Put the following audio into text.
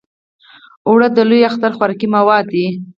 اوړه د لوی اختر خوراکي مواد دي